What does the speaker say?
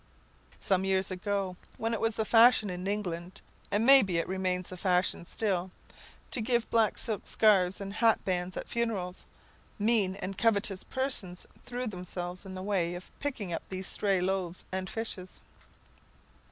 Some years ago, when it was the fashion in England (and may be it remains the fashion still) to give black silk scarfs and hatbands at funerals, mean and covetous persons threw themselves in the way of picking up these stray loaves and fishes.